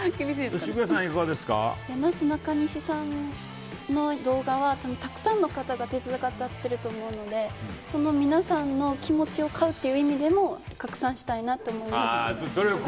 なすなかにしさんの動画はたくさんの方が手伝っていると思うのでその皆さんの気持ちを買うという意味でも拡散したいなと思いました。